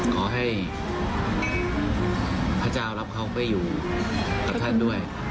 ขอให้พระเจ้ารับเขาไปอยู่กับท่านด้วย